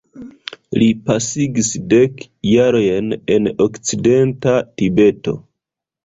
Li pasigis dek jarojn en Okcidenta Tibeto.